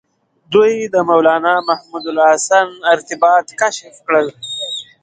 دوی د مولنا محمود الحسن ارتباط کشف کړ.